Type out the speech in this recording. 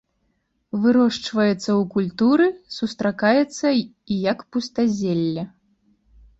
Вырошчваецца ў культуры, сустракаецца і як пустазелле.